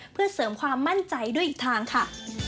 เพื่อเสริมความมั่นใจด้วยอีกทางค่ะ